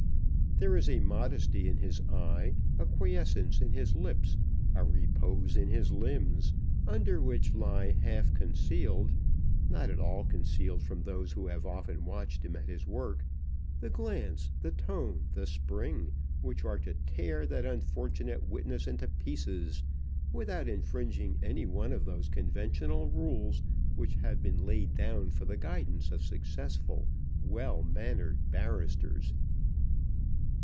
There is a modesty in his eye, a quiescence in his lips, a repose in his limbs, under which lie half concealed, not at all concealed from those who have often watched him at his work, the glance, the tone, the spring, which are to tear that unfortunate witness into pieces, without infringing any one of those conventional rules which have been laid down for the guidance of successful well mannered barristers.